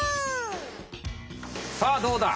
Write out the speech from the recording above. さあどうだ？